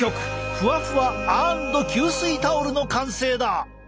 ふわふわ＆吸水タオルの完成だ！